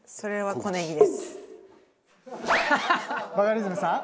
バカリズムさん